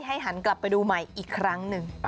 หันกลับไปดูใหม่อีกครั้งหนึ่ง